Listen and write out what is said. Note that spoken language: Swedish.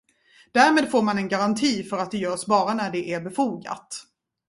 Därmed får man en garanti för att det görs bara när det är befogat.